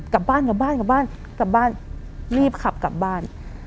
กลับบ้านกลับบ้านกลับบ้านกลับบ้านกลับบ้านรีบขับกลับบ้าน